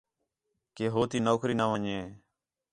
کہ ہو تی نوکری نہ ون٘ڄے